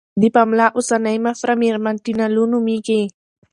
د پملا اوسنۍ مشره میرمن ټینا لو نوميږي.